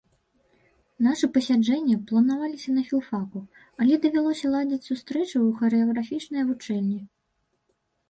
Нашы пасяджэнні планаваліся на філфаку, але давялося ладзіць сустрэчы ў харэаграфічнай вучэльні.